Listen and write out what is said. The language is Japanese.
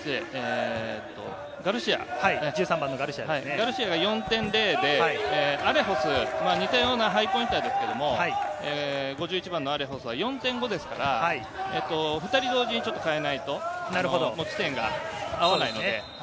ガルシアは４．０で、アレホスは似たようなハイポインターですけど、５１番のアレホスは４．５ですから、２人同時に代えないと、持ち点が合わないので。